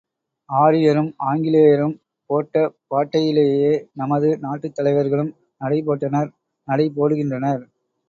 ஆரியரும் ஆங்கிலேயரும் போட்ட பாட்டையிலேயே நமது நாட்டுத் தலைவர்களும் நடைபோட்டனர் நடை போடுகின்றனர்.